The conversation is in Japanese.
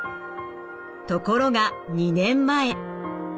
ところが２年前。